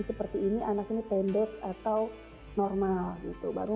berarti ini anaknya pendek atau normal gitu